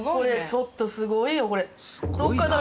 ちょっとすごいよこれ。